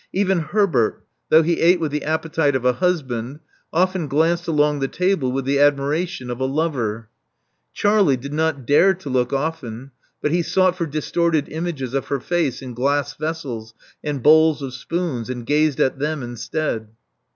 Even Herbert, though he ate with the appetite of a husband, often glanced along the table with the admiration of a lover. Charlie did not dare to look often ; but he sought for distorted images of her face in glass vessels and bowls of spoons, and gazed at them instead.